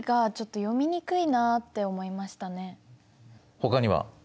ほかには？